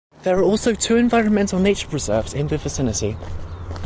There are also two environmental nature preserves in the vicinity.